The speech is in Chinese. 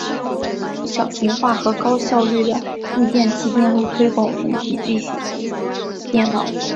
小型化和高效率的逆变器电路推广用于笔记型电脑。